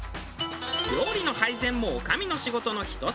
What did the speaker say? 料理の配膳も女将の仕事の１つ。